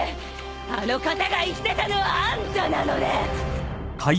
あの方が言ってたのはあんたなのね。